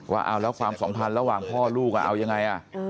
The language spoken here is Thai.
ว่าเอาแล้วความสัมพันธ์ระหว่างพ่อลูกเอายังไง